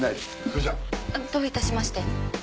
どういたしまして。